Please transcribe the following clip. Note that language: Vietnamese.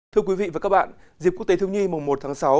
thưa quý vị và các bạn dịp quốc tế thiếu nhi mùng một tháng sáu